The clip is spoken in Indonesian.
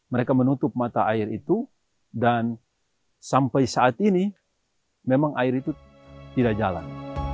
mereka menutup mata air itu dan sampai saat ini memang air itu tidak jalan